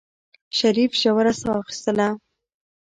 شريف ژوره سا اخېستله.